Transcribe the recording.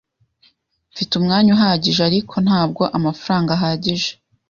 Mfite umwanya uhagije, ariko ntabwo amafaranga ahagije.